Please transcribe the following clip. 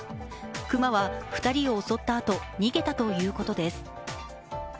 熊は２人を襲ったあと逃げたということです。